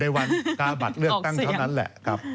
วันกาบัตรเลือกตั้งเท่านั้นแหละครับ